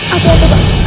aduh aduh aduh